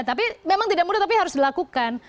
tapi memang tidak mudah tapi harus dilakukan